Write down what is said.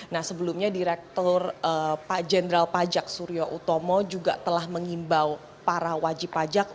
nah sebelumnya direktur pak jenderal pajak suryo utomo juga telah mengimbau para wajib pajak